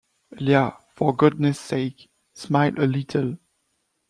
Liah, for goodness sake smile a little.